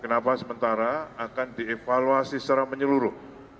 kenapa sementara akan dievaluasi secara menyeluruh